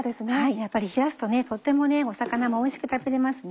やっぱり冷やすととっても魚もおいしく食べれますね。